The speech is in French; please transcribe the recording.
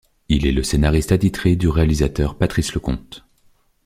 Il est le scénariste attitré du réalisateur Patrice Leconte.